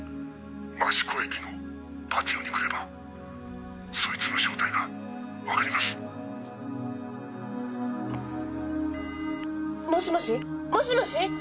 益子駅のパティオに来ればそいつの正体がわかります」もしもし？もしもし？